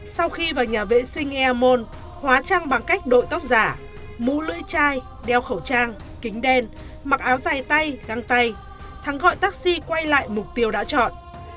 sau khi vào nhà vệ sinh e môn hóa trang bằng cách đội tóc giả mũ lưỡi chai đeo khẩu trang kính đen mặc áo dài tay găng tay thắng gọi taxi quay lại mục tiêu đã chọn